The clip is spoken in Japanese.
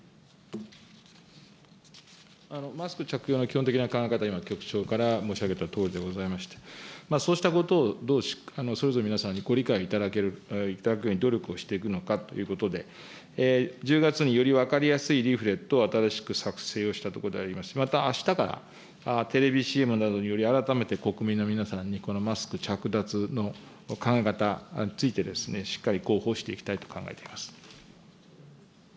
マスク着用の基本的な考え方は今、局長から申し上げたとおりでございまして、そうしたことをどうそれぞれの皆さんにご理解いただける、いただくように努力をしていくのかということで、１０月に、より分かりやすいリーフレットを新しく作成をしたところでありますが、またあしたから、テレビＣＭなどにより、改めて国民の皆様にマスク着脱の考え方について、しっかり広報していきたいと考えています。